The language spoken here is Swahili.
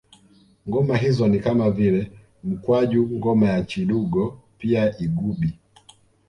Ngoma hizo ni kama vile mkwaju ngoma ya chidugo pia igubi